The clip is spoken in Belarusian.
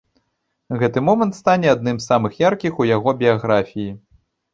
Гэты момант стане адным з самых яркіх у яго біяграфіі.